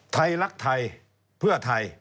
ไทยรักไทยเพื่อไทย